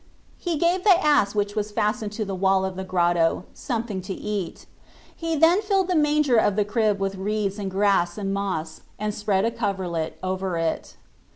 He gave the ass which was fastened to the wall of the grotto something to eat : he then filled the manger of the crib with reeds and grass and moss and spread a coverlet over it.